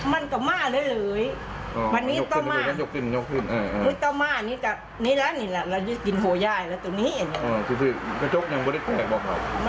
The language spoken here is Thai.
มันไม่ได้มีทะขาโจ๊กมันไม่เชื่อกระโจ๊ก